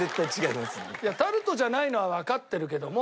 いやタルトじゃないのはわかってるけども。